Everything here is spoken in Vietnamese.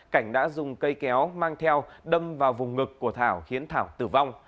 cảnh đã dùng cây kéo mang theo đâm vào vùng ngực của thảo khiến thảo tử vong